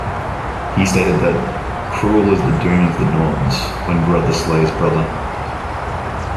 He stated that cruel is the doom of the Norns when brother slays brother.